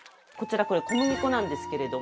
こちらこれ、小麦粉なんですあれ？